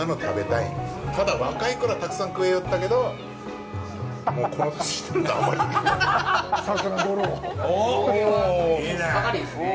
ただ若いころはたくさん食えよったけどもう、この年じゃね。